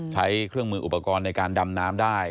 ใช้เครื่องมืออุปกรณ์ในการดำน้ำได้